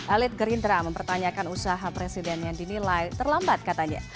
elit gerindra mempertanyakan usaha presiden yang dinilai terlambat katanya